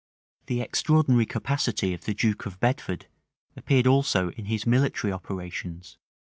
The extraordinary capacity of the duke of Bedford appeared also in his military operations.